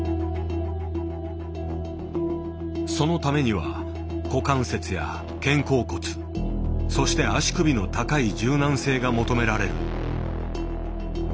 そのためには股関節や肩甲骨そして足首の高い柔軟性が求められる。